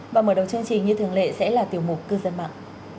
và mở đầu chương trình như thường lệ sẽ là tiểu mục cư dân mạng